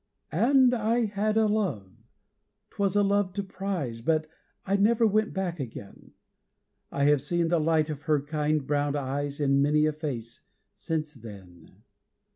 And I had a love 'twas a love to prize But I never went back again ... I have seen the light of her kind brown eyes In many a face since then.